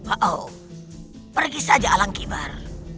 oh oh pergi saja alangkibar